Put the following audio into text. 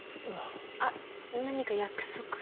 あっ何か約束とか？